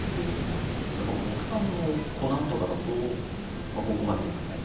やっぱ木炭の粉とかだとここまでよくない。